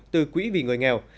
từ quỹ vì người nghèo